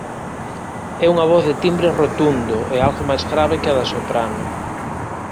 É unha voz de timbre rotundo e algo máis grave que a da soprano.